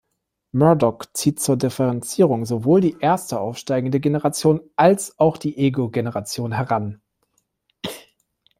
Murdock zieht zur Differenzierung sowohl die erste aufsteigende Generation als auch die Ego-Generation heran.